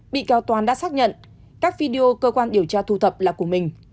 bị cáo toàn đã xác nhận các video cơ quan điều tra thu thập là của mình